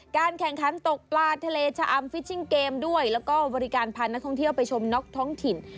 การแข่งขันตกปลาทะเลชะอำฟิชชิงเกมด้วยแล้วก็บริการพานักท่องเที่ยวไปชมน็อกท้องถิ่น